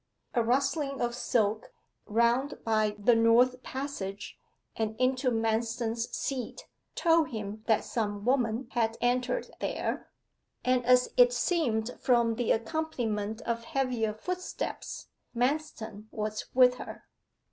A rustling of silk round by the north passage and into Manston's seat, told him that some woman had entered there, and as it seemed from the accompaniment of heavier footsteps, Manston was with her.